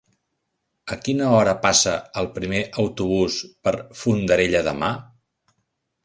A quina hora passa el primer autobús per Fondarella demà?